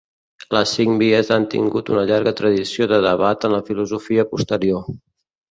Les cinc vies han tingut una llarga tradició de debat en la filosofia posterior.